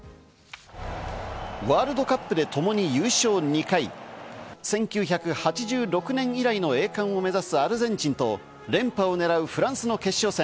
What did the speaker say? ワールドカップでともに優勝２回、１９８６年以来の栄冠を目指すアルゼンチンと連覇を狙うフランスの決勝戦。